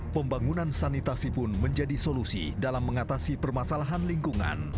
pembangunan sanitasi pun menjadi solusi dalam mengatasi permasalahan lingkungan